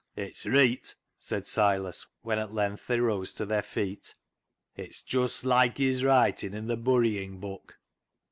" It's reet," said Silas, when at length they rose to their feet. " It's just loike his writing i' the burrying book."